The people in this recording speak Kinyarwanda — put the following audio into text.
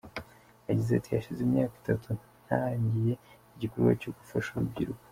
Yagize ati:”hashize imyaka itatu ntangiye iki gikorwa cyo gufasha uru rubyiruko.